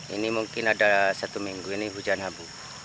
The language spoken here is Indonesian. ini mungkin ada satu minggu ini hujan abu